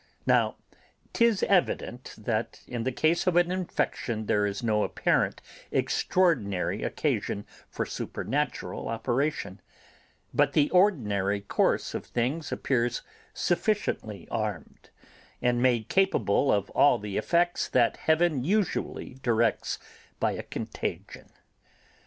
Now 'tis evident that in the case of an infection there is no apparent extraordinary occasion for supernatural operation, but the ordinary course of things appears sufficiently armed, and made capable of all the effects that Heaven usually directs by a contagion.